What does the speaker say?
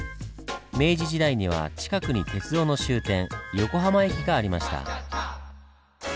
明治時代には近くに鉄道の終点横浜駅がありました。